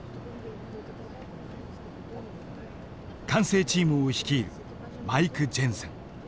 管制チームを率いるマイク・ジェンセン。